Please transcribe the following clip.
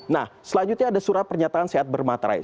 nah selanjutnya ada surat pernyataan sehat bermaterai